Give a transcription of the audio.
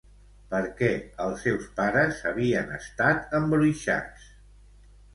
Per què els seus pares havien estat embruixats?